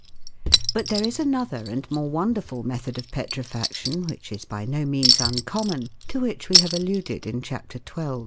But there is another and more wonderful method of petrifaction which is by no means uncommon, to which we have alluded in Chapter XII.